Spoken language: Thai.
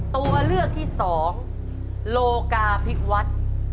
ตัวเลือกที่สองโลกาพิวัฒน์